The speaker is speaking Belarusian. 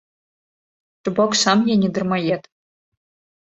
То бок сам я не дармаед.